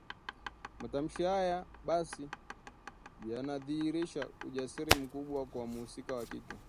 Matamshi haya ya Bikisiwa yanadhihirisha ujasiri mkubwa kwa mhusika wa kike